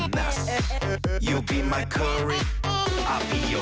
ปาจอสว์ให้ย้ำชี้กกอปาย